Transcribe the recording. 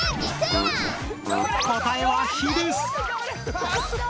答えは「火」です！